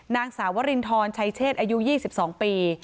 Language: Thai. นางสาววรินทรชัยเชศอายุ๒๒ปี